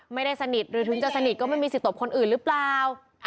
ไม่ได้สนิทหรือถึงจะสนิทก็ไม่มีสิทธิตบคนอื่นหรือเปล่า